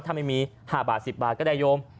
ถ้าไม่มี๕บาท๑๐บาทก็ได้โยม